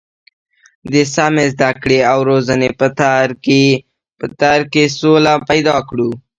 د سمې زده کړې او روزنې په تر کې سوله پیدا کړو.